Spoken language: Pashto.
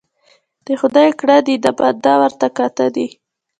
ـ د خداى کړه دي د بنده ورته کاته دي.